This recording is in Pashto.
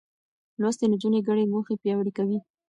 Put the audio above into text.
لوستې نجونې ګډې موخې پياوړې کوي.